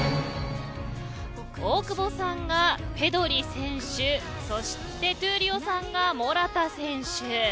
大久保さんがペドリ選手そして闘莉王さんがモラタ選手。